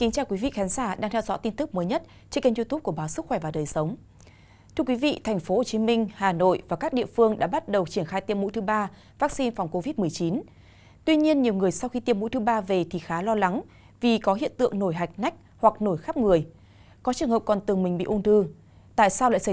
chào mừng quý vị đến với bộ phim hãy nhớ like share và đăng ký kênh của chúng mình nhé